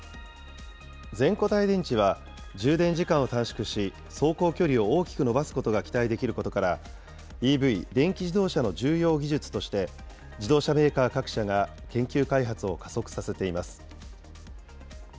全固体電池は充電時間を短縮し、走行距離を大きく伸ばすことが期待できることから、ＥＶ・電気自動車の重要技術として、自動車メーカー各社が研究開発を加速させています。